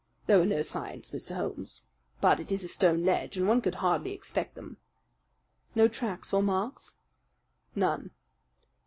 "There were no signs, Mr. Holmes. But it is a stone ledge, and one could hardly expect them." "No tracks or marks?" "None."